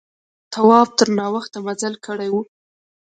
تواب تر ناوخته مزل کړی و.